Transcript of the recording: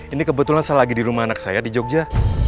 ini kebetulan saya lagi di rumah anak saya di jogja